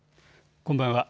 こんばんは。